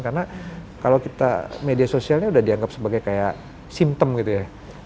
karena kalau kita media sosialnya udah dianggap sebagai kayak simptom gitu ya